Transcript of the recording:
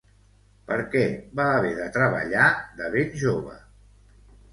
Per què va haver de treballar de ben jove?